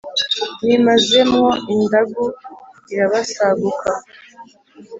nimaze mwo indagu irabasaguka